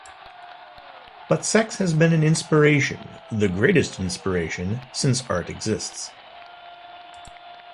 But sex has been an inspiration, the greatest inspiration, since art exists.